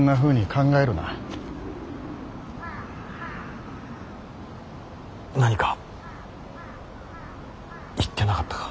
何か言ってなかったか。